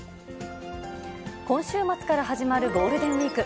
今週末から始まるゴールデンウィーク。